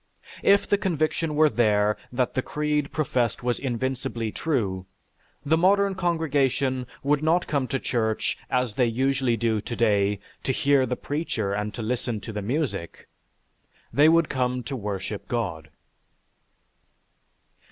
If the conviction were there that the creed professed was invincibly true, the modern congregation would not come to church, as they usually do today, to hear the preacher and to listen to the music. They would come to worship God.